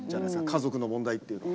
家族の問題っていうのは。